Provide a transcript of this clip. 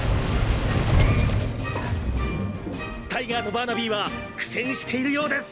「タイガーとバーナビーは苦戦しているようです！」